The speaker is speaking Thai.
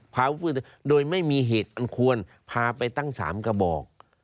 พาอาวุธปืนโดยไม่มีเหตุอันควรพาไปตั้ง๓กระบอก